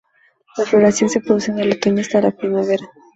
La floración se produce en el otoño hasta la primavera.